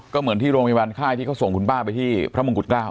ก็เหมือนที่โรงพยาบาลค่ายที่เขาส่งคุณป้าไปที่พระมงกุฎเกล้า